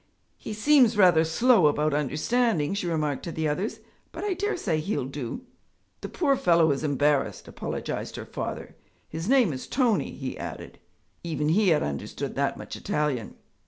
'He seems rather slow about understanding,' she remarked to the others, 'but I dare say he'll do.' 'The poor fellow is embarrassed,' apologized her father. 'His name is Tony,' he added even he had understood that much Italian.